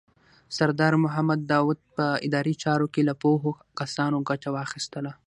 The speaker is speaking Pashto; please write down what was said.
سردار محمد داود په اداري چارو کې له پوهو کسانو ګټه واخیستله.